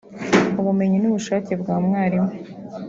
ubumenyi n’ubushake bwa mwarimu